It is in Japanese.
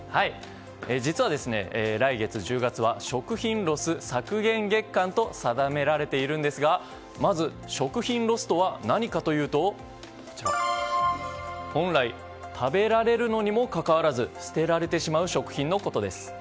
実は来月１０月は食品ロス削減月間と定められているんですがまず、食品ロスとは何かというと本来、食べられるのにもかかわらず捨てられてしまう食品のことです。